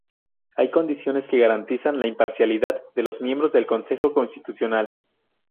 Hay condiciones que garantizan la imparcialidad de los miembros del consejo constitucional.